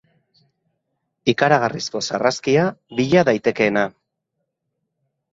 Ikaragarrizko sarraskia bilaka daitekeena.